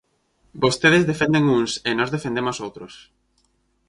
Vostedes defenden uns e nós defendemos outros.